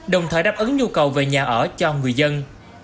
đồng thời đáp ứng nhu cầu về nhà ở cho người dân